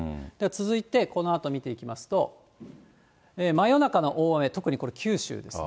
続いてこのあと見ていきますと、真夜中の大雨、特にこれ、九州です。